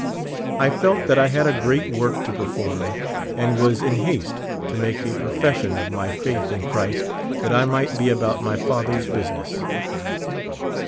I felt that I had a great work to perform, and was in haste to make a profession of my faith in Christ that I might be about my Father's business.